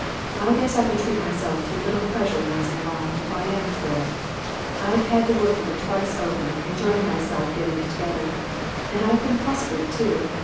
I guess I can treat myself to a little pleasure once in a while, if I am poor. I've had the worth of it twice over, enjoying myself get ting it together. I've been prospered, too.